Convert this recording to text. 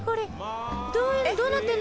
どうなってんの？